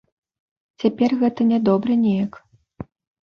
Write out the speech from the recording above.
Цяпер гэта нядобра неяк.